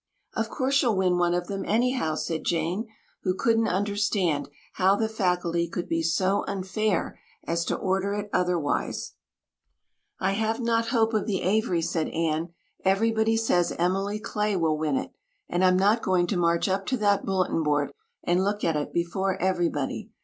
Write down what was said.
"Of course you'll win one of them anyhow," said Jane, who couldn't understand how the faculty could be so unfair as to order it otherwise. "I have not hope of the Avery," said Anne. "Everybody says Emily Clay will win it. And I'm not going to march up to that bulletin board and look at it before everybody.